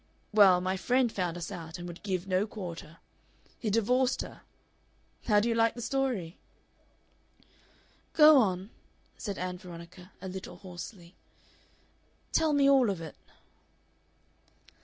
Well, my friend found us out, and would give no quarter. He divorced her. How do you like the story?" "Go on," said Ann Veronica, a little hoarsely, "tell me all of it."